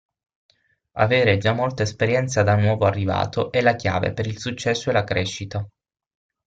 Avere già molta esperienza da nuovo arrivato è la chiave per il successo e la crescita.